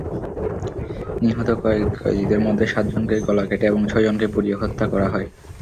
নিহত কয়েদিদের মধ্যে সাতজনকে গলা কেটে এবং ছয়জনকে পুড়িয়ে হত্যা করা হয়।